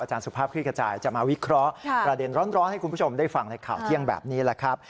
สุภาพคลิกระจายจะมาวิเคราะห์ประเด็นร้อนให้คุณผู้ชมได้ฟังในข่าวเที่ยงแบบนี้แหละครับ